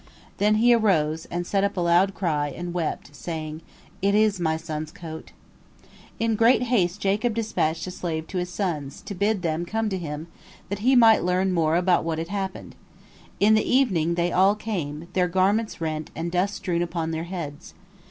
Then he arose, and set up a loud cry, and wept, saying, "It is my son's coat." In great haste Jacob dispatched a slave to his sons, to bid them come to him, that he might learn more about what had happened. In the evening they all came, their garments rent, and dust strewn upon their heads.